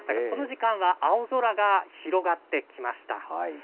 この時間は青空が広がってきました。